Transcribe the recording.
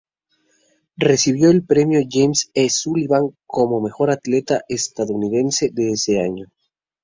Recibió el Premio James E. Sullivan como mejor atleta estadounidense de ese año.